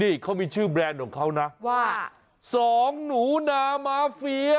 นี่เขามีชื่อแบรนด์ของเขานะว่าสองหนูนามาเฟีย